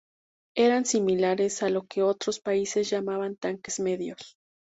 Eran similares a lo que otros países llamaban tanques medios.